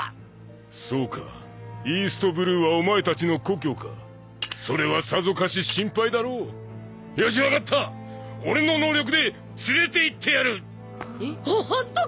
そうかイーストブルーはお前たちの故郷かそれはさぞかし心配だろうよし分かった俺の能力で連れて行ってやるほホントか？